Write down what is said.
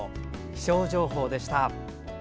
気象情報でした。